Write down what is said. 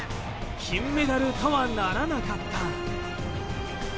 金メダルとはならなかった。